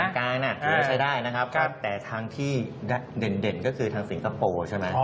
ออกกานถือว่าใช้ได้แต่ทางที่เด่นก็คือทางสิงคโปร์ใช่ไหม